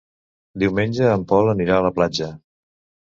Diumenge en Pol anirà a la platja.